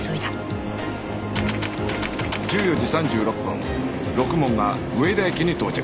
１４時３６分ろくもんが上田駅に到着